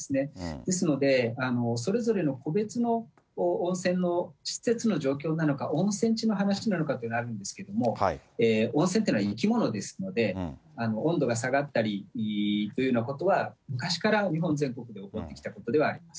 ですので、それぞれの個別の温泉の施設の状況なのか、温泉地の話なのかとなるんですけれども、温泉っていうのは生き物ですので、温度が下がったりというようなことは、昔から日本全国で起こってきたことではあります。